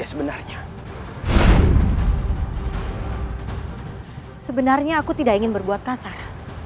sebenarnya aku tidak ingin berbuat kasah